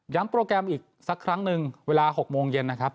โปรแกรมอีกสักครั้งหนึ่งเวลา๖โมงเย็นนะครับ